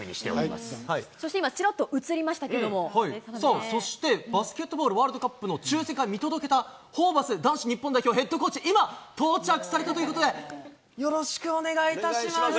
そして、今、ちらっと映りまそして、バスケットボールワールドカップの抽せん会を見届けたホーバス男子日本代表ヘッドコーチ、今、到着されたということで、よろしお願いします。